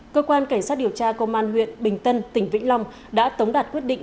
cơ quan cảnh sát điều tra công an huyện bình tân tỉnh vĩnh long đã tống đạt quyết định